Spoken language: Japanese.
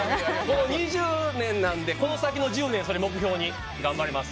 ２０年なんでこの先の１０年それ目標に頑張ります。